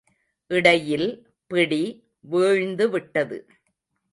இடையில் பிடி வீழ்ந்துவிட்டது.